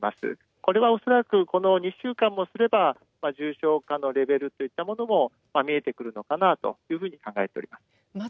これがおそらくこの２週間もすれば、重症化のレベルといったものも見えてくるのかなというふうに考えております。